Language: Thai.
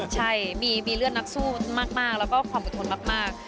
ใช่มีเลือดนักสู้มากแล้วก็ความอดทนมาก